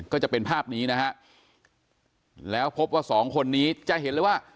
ก็จะเป็นภาพนี้นะฮะแล้วพบว่าสองคนนี้จะเห็นเลยว่า